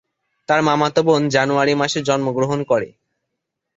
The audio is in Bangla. তার মামাতো বোন জানুয়ারি মাসে জন্মগ্রহণ করে।